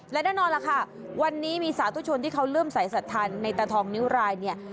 และแน่นอนล่ะค่ะวันนี้มีสาธุชนที่เขาเริ่มสายสัทธาในตาทองนิ้วรายเนี่ย